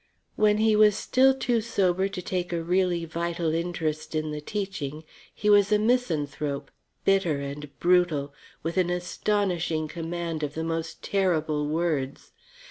When he was still too sober to take a really vital interest in the teaching, he was a misanthrope, bitter and brutal, with an astonishing command of the most terrible words.